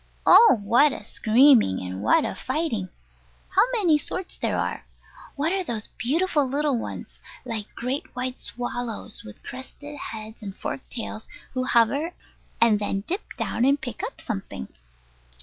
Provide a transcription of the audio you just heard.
Oh, what a screaming and what a fighting! How many sorts there are! What are those beautiful little ones, like great white swallows, with crested heads and forked tails, who hover, and then dip down and pick up something?